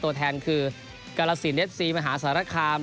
ตัวแทนคือกาลสินเอฟซีมหาสารคาม